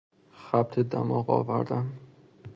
خبط دماغ آوردن